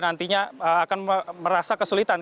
nantinya akan merasa kesulitan